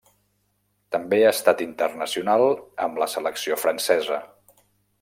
També ha estat internacional amb la selecció francesa.